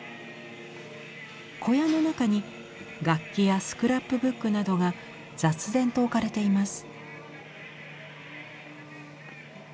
小屋の中に楽器やスクラップブックなどが雑然と置かれています。